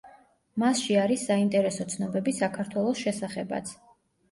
მასში არის საინტერესო ცნობები საქართველოს შესახებაც.